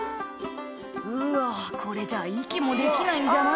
「うわこれじゃ息もできないんじゃない？」